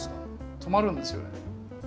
止まるんですよね。